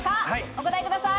お答えください。